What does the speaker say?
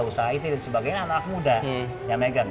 dan usaha usaha it dan sebagainya anak muda yang megang